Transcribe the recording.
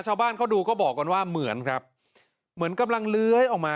ชาวบ้านเขาดูก็บอกกันว่าเหมือนครับเหมือนกำลังเลื้อยออกมา